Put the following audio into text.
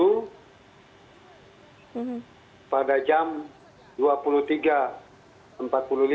untuk mencari pertolongan pertolongan palu